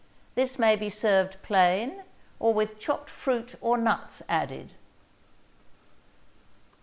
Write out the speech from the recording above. This may be served plain, or with chopped fruit or nuts added.